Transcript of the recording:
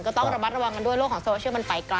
ก็ต้องระมัดระวังกันด้วยโลกของโซเชียลมันไปไกล